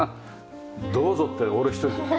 どうぞって俺１人。